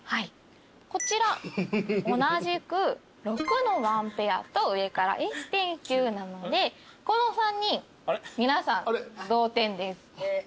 こちら同じく６の１ペアと上からエース１０９なのでこの３人皆さん同点です。